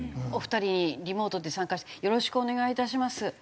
お二人にリモートで参加してよろしくお願いいたします。